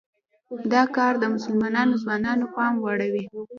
دا کار د مسلمانو ځوانانو پام واړوي.